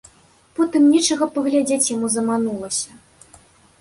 Потым нечага паглядзець яму заманулася.